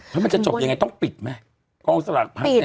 แล้วมันจะจบยังไงต้องปิดไหม